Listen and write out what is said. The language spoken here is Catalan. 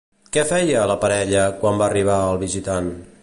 Què feia, la parella, quan va arribar el visitant?